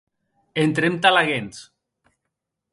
Entrem tà laguens.